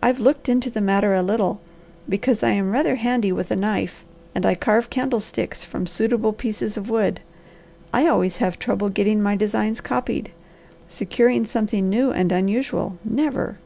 I've looked into the matter a little, because I am rather handy with a knife, and I carve candlesticks from suitable pieces of wood. I always have trouble getting my designs copied; securing something new and unusual, never!